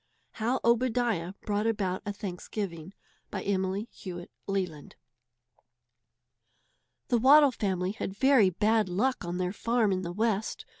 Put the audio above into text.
HOW OBADIAH BROUGHT ABOUT A THANKSGIVING BY EMILY HEWITT LELAND. The Waddle family had very bad luck on their farm in the West.